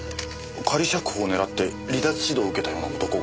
仮釈放をねらって離脱指導を受けたような男が。